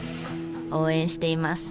応援しています。